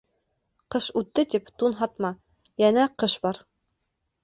Ҡыш үтте тип тун һатма, йәнә ҡыш бар.